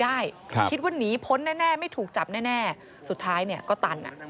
หนีได้คิดว่าหนีพ้นแน่ไม่ถูกจับแน่สุดท้ายก็ตัน